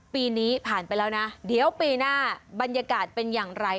ปีนี้ผ่านไปแล้วนะเดี๋ยวปีหน้าบรรยากาศเป็นอย่างไร